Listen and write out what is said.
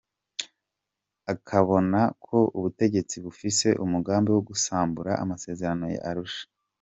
Akabona ko ubutegetsi bufise umugambi wo gusambura amasezerano ya Arusha.